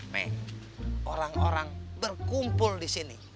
mei orang orang berkumpul di sini